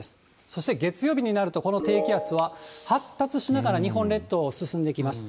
そして月曜日になると、この低気圧は発達しながら日本列島を進んでいきます。